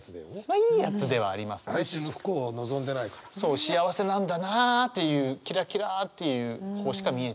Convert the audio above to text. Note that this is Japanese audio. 幸せなんだなあっていうキラキラっていう方しか見えてないっていう。